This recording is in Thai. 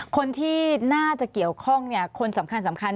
คนที่น่าจะเกี่ยวข้องคนสำคัญ